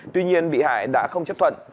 tuy nhiên bị hại đã không chấp thuận